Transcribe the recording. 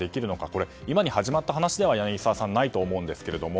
これは今に始まった話では柳澤さん、ないと思うんですが。